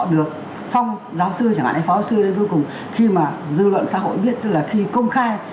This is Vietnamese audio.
được phong giáo sư chẳng hạn hay phó sư đến cuối cùng khi mà dư luận xã hội biết tức là khi công khai